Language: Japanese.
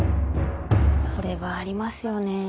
これはありますよね。